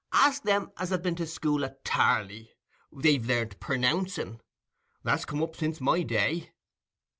Ask them as have been to school at Tarley: they've learnt pernouncing; that's come up since my day."